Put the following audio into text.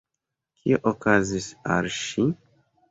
Kio okazis al ŝi?